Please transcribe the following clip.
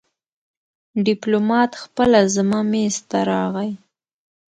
ډيپلومات خپله زما مېز ته راغی.